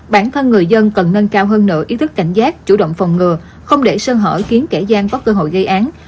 bản thân người dân cần nâng cao hơn nửa ý thức cảnh giác chủ động phòng ngừa không để sơn hỏi khiến kẻ gian có cơ hội gây án